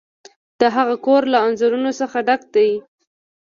د هغه کور له انځورونو څخه ډک دی.